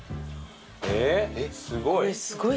えすごい。